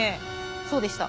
そうでした。